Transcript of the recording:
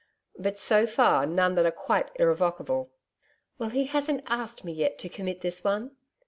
'But, so far, none that are quite irrevocable.' 'Well, he hasn't asked me yet to commit this one.'